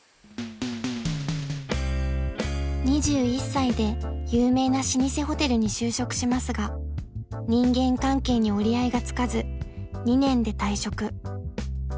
［２１歳で有名な老舗ホテルに就職しますが人間関係に折り合いがつかず２年で退職］